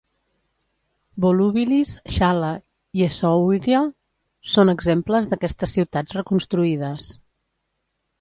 Volúbilis, Xal·la i Essaouira són exemples d'aquestes ciutats reconstruïdes.